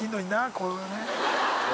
こういうね。